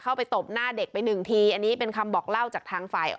ตบหน้าเด็กไปหนึ่งทีอันนี้เป็นคำบอกเล่าจากทางฝ่าย